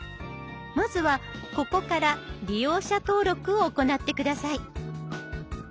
まずはここから利用者登録を行って下さい。